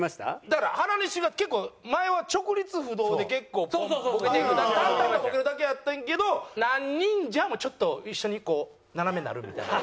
だから原西が結構前は直立不動で結構ボケていく淡々とボケるだけやったんやけど「何人じゃ？」もちょっと一緒に斜めになるみたいな。